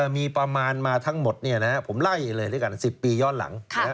มีประมาณมาทั้งหมดผมไล่เลยด้วยกัน๑๐ปีย้อนหลัง